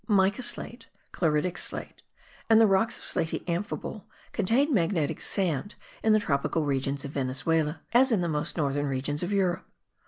Mica slate, chloritic slate and the rocks of slaty amphibole contain magnetic sand in the tropical regions of Venezuela, as in the most northern regions of Europe.